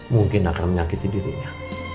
mungkin akan menyakiti dirinya